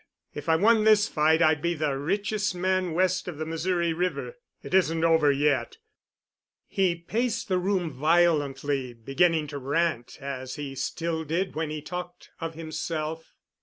If I won this fight I'd be the richest man west of the Missouri River. It isn't over yet." He paced the room violently, beginning to rant, as he still did when to talked of himself.